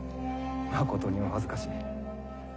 まことにお恥ずかしい。